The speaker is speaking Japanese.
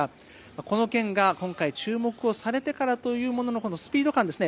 この件が今回、注目されてからのスピード感ですね。